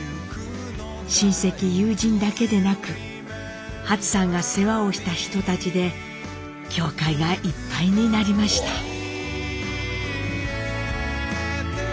親戚友人だけでなくハツさんが世話をした人たちで教会がいっぱいになりました。